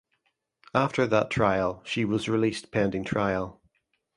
After that trial she was released pending trial.